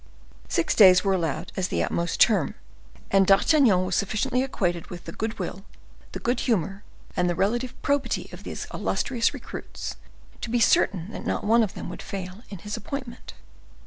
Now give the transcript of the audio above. Six days were allowed as the utmost term, and D'Artagnan was sufficiently acquainted with the good will, the good humor, and the relative probity of these illustrious recruits, to be certain that not one of them would fail in his appointment.